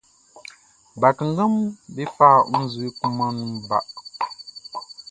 Bakannganʼm be fa nzue kunmanʼn nun ba.